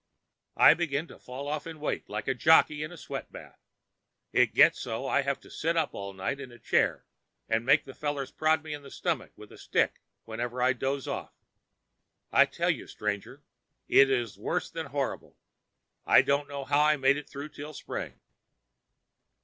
I begin to fall off in weight like a jockey in a sweat bath. It gets so I have to sit up all night in a chair and make the fellers prod me in the stomach with a stick whenever I doze off. I tell you, stranger, it was worse than horrible. I don't know how I made it through till spring.